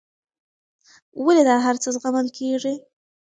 ولې دا هرڅه زغمل کېږي.